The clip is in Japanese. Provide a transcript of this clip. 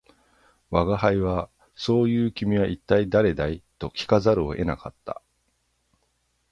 吾輩は「そう云う君は一体誰だい」と聞かざるを得なかった